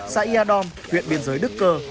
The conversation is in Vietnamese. xã yà đom huyện biên giới đức cơ